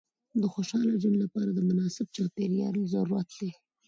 د خوشحاله ژوند لپاره د مناسب چاپېریال ضرورت دی.